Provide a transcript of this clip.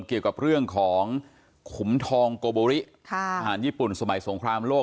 เกี่ยวกับเรื่องของขุมทองโกโบริทหารญี่ปุ่นสมัยสงครามโลก